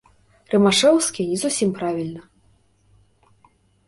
Рымашэўскі, не зусім правільна.